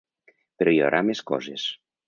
Però hi haurà més coses!